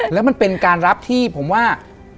แล้วมันเป็นการรับที่ผมว่า